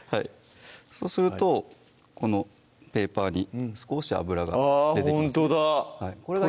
そうするとこのペーパーに少し油があほんとだ